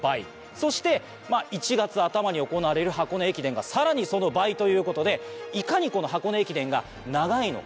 そして１月頭に行われる箱根駅伝がさらにその倍ということでいかにこの箱根駅伝が長いのか。